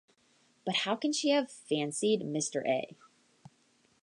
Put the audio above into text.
But how can she have fancied Mr A.?